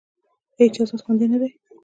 د هېچا عزت خوندي نه دی.